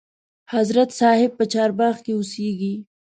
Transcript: حضرت صاحب په چارباغ کې اوسیږي.